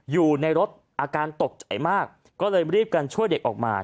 อยู่ในรถอาการตกใจมากก็เลยรีบกันช่วยเด็กออกมา